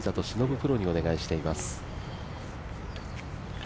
プロにお願いしています。